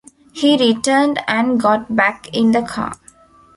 He returned and got back in the car.